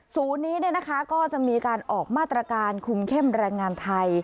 ศูนย์นี้ก็จะมีการออกมาตรการคุมเข้มแรงงานไทย